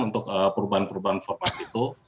untuk perubahan perubahan format itu